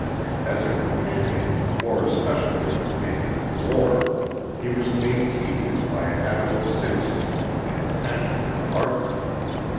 As a companion, more especially a companion in war, he was made tedious by a habit of cynicism and a passion for argument.